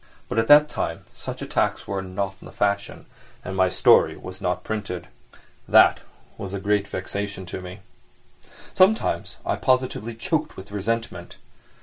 But at that time such attacks were not the fashion and my story was not printed. That was a great vexation to me. Sometimes I was positively choked with resentment.